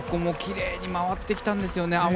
きれいに回ってきたんですよね。